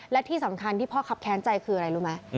และที่สำคัญที่พ่อครับแค้นใจคืออะไรรู้ไหม